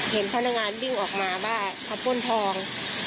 เห็นพนักงานวิ่งออกมาว่าเขาป้นทอง